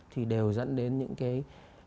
thì đều dẫn đến những cái